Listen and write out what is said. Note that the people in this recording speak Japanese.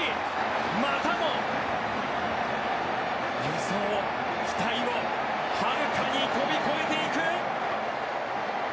またも予想を期待をはるかに越えていく。